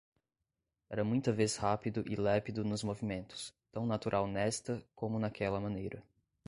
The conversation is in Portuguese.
era muita vez rápido e lépido nos movimentos, tão natural nesta como naquela maneira.